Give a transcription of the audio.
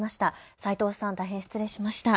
齋藤さん、大変失礼しました。